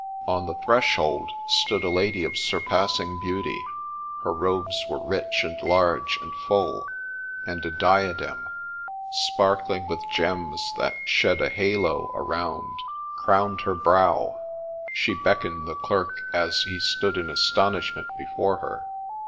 On the threshold stood a Lady of surpassing beauty : her robes were rich, and large, and full ; and a diadem, sparkling with gems that shed a halo around, crowned her brow : she beckoned the Clerk as he stood in astonishment before her.